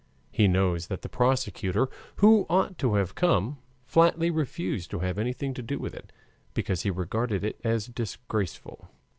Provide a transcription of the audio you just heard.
He knows that the prosecutor, who ought to have come, flatly refused to have anything to do with it, because he regarded it as disgraceful.